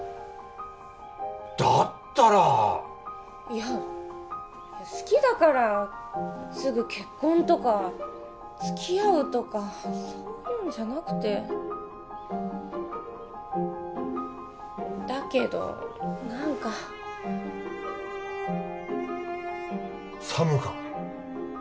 だったらいや好きだからすぐ結婚とか付き合うとかそういうんじゃなくてだけど何かサムか？